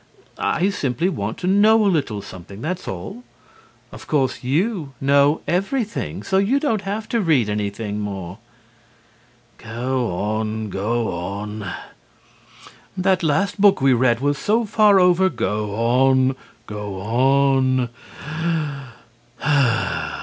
I simply want to know a little something, that's all. Of course, you know everything, so you don't have to read anything more. HUSBAND: Go on, go on. WIFE: That last book we read was so far over HUSBAND: Go on, go on.